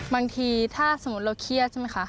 บางทีถ้าสมมุติเราเครียดใช่ไหมคะ